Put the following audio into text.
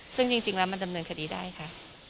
ซึ่งจริงแล้วมันดำเนินคดีได้ค่ะ